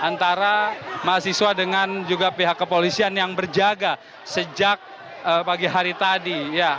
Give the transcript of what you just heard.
antara mahasiswa dengan juga pihak kepolisian yang berjaga sejak pagi hari tadi